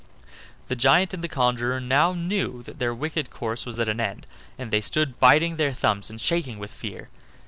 The giant and the conjurer now knew that their wicked course was at an end, and they stood biting their thumbs and shaking with fear.